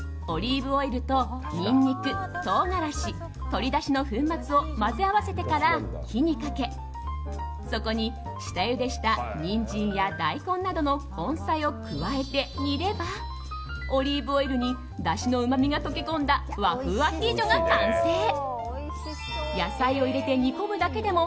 オリーブオイルとニンニク唐辛子鶏だしの粉末を混ぜ合わせてから火にかけそこに下ゆでしたニンジンや大根などの根菜を加えて煮ればオリーブオイルにだしのうまみが溶け込んだ和風アヒージョが完成。